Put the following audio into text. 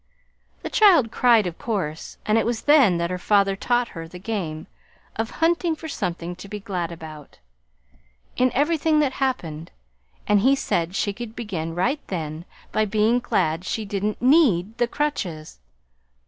"The child cried, of course, and it was then that her father taught her the game of hunting for something to be glad about, in everything that happened; and he said she could begin right then by being glad she didn't NEED the crutches.